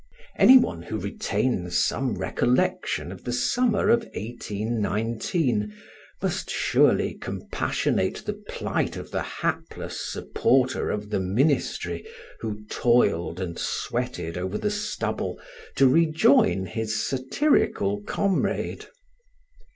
Any one who retains some recollection of the summer of 1819 must surely compassionate the plight of the hapless supporter of the ministry who toiled and sweated over the stubble to rejoin his satirical comrade.